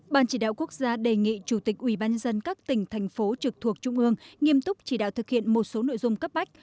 ban chỉ đạo quốc gia đề nghị chủ tịch ubnd các tỉnh thành phố trực thuộc trung ương nghiêm túc chỉ đạo thực hiện một số nội dung cấp bách